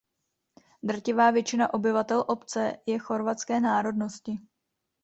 Drtivá většina obyvatel obce je chorvatské národnosti.